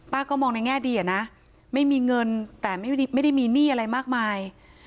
ก็มองในแง่ดีอะนะไม่มีเงินแต่ไม่ได้มีหนี้อะไรมากมาย